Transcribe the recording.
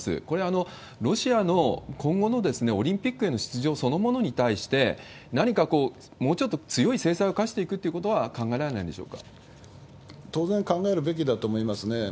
これ、ロシアの今後のオリンピックへの出場そのものに対して、何かこう、もうちょっと強い制裁を科していくっていうことは考えられないん当然考えるべきだと思いますね。